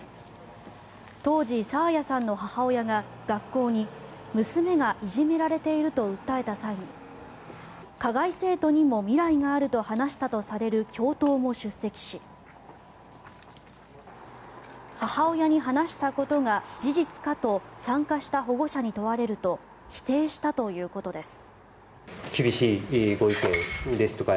当時、爽彩さんの母親が学校に娘がいじめられていると訴えた際に加害生徒にも未来があると話したとされる教頭も出席し母親に話したことが事実かと参加した保護者に問われると否定したということです。